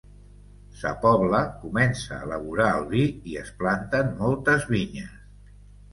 Sa Pobla comença a elaborar el vi i es planten moltes vinyes.